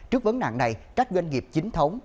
trước vấn nạn này các doanh nghiệp chính thống